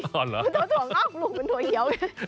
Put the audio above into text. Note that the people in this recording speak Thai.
ถั่วงอกปลูกเป็นถั่วเหยียวกัน